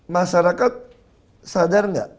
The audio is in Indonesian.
masyarakat sadar nggak